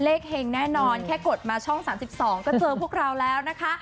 เฮงแน่นอนแค่กดมาช่อง๓๒ก็เจอพวกเราแล้วนะคะ